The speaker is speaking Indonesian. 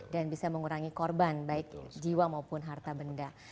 dan bisa mengurangi korban baik jiwa maupun harta benda